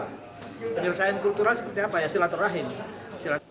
penyelesaian kultural seperti apa ya silaturahim